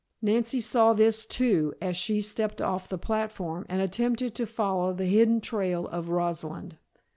Nancy saw this, too, as she stepped off the platform and attempted to follow the hidden trail of Rosalind.